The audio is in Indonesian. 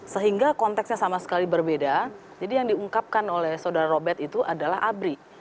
sehingga konteksnya sama sekali berbeda jadi yang diungkapkan oleh saudara robert itu adalah abri